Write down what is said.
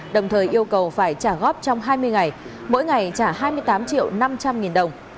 đồng thời yêu cầu phải trả góp trong hai mươi ngày mỗi ngày trả hai mươi tám triệu năm trăm linh nghìn đồng